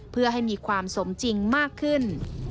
เพื่อให้มีความสมจริงมากขึ้น